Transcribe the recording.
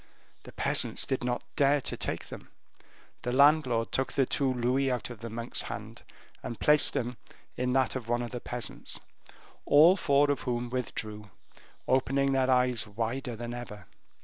The peasants did not dare to take them; the landlord took the two louis out of the monk's hand and placed them in that of one of the peasants, all four of whom withdrew, opening their eyes wider than ever.